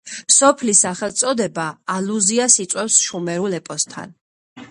სოფლის სახელწოდება ალუზიას იწვევს შუმერულ ეპოსთან.